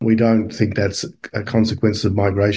kami tidak pikir itu adalah konsekuensi migrasi